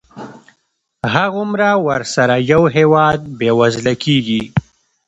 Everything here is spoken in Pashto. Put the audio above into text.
هغومره ورسره یو هېواد بېوزله کېږي.